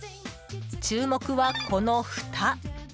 注目は、このふた。